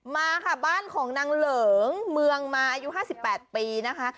มาค่ะบ้านของนางเหลิงเมืองมาอายุ๕๘ปีนะคะ